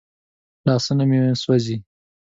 لاسونه مې سوځي.